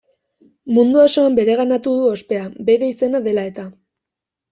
Mundu osoan bereganatu du ospea, bere izena dela eta.